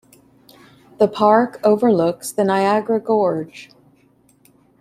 The park overlooks the Niagara Gorge.